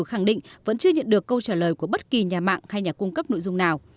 khẳng định vẫn chưa nhận được câu trả lời của bất kỳ nhà mạng hay nhà cung cấp nội dung nào